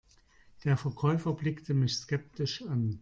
Der Verkäufer blickte mich skeptisch an.